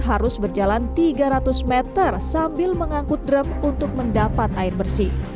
harus berjalan tiga ratus meter sambil mengangkut drum untuk mendapat air bersih